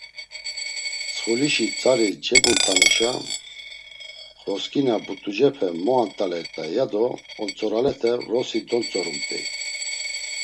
Mtsxulişi tzari cebumt̆anuşa, xrosǩina but̆ucepe mo ant̆alert̆ay, ya do ontzoralete vrosi dontzorumt̆ey.